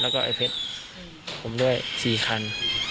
แล้วก็ไอ้เภสผมด้วยสี่คัน